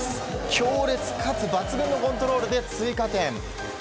強烈かつ抜群のコントロールで追加点。